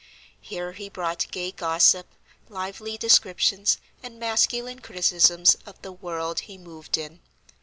Here he brought gay gossip, lively descriptions, and masculine criticisms of the world he moved in.